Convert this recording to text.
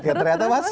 oke ternyata mas